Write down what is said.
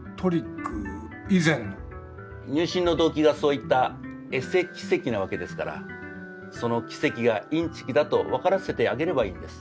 入信の動機がそういったエセ奇跡なわけですからその奇跡がインチキだと分からせてあげればいいんです。